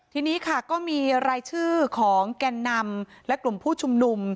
ทีนี้ค่ะก็มีรายชื่อของแก่นนำและกลุ่มผู้ชุมนุม